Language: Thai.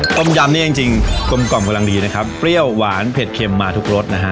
ต้มยำนี่จริงกลมกล่อมกำลังดีนะครับเปรี้ยวหวานเผ็ดเข็มมาทุกรสนะฮะ